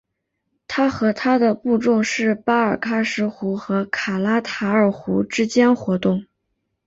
他和他的部众是巴尔喀什湖和卡拉塔尔河之间活动。